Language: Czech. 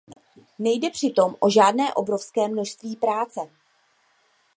Nejde přitom o žádné obrovské množství práce.